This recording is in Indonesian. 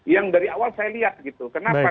yang dari awal saya lihat gitu kenapa